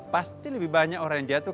pasti lebih banyak orang yang jatuh